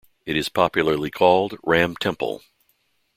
It is popularly called 'Ram Temple'.